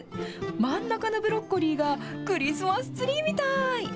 真ん中のブロッコリーがクリスマスツリーみたい。